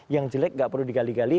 yang jelek nggak perlu digali gali